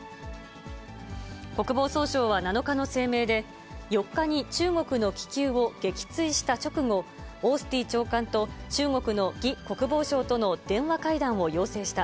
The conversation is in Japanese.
国防総省は７日の声明で、４日に中国の気球を撃墜した直後、オースティン長官と中国の魏国防相との電話会談を要請した。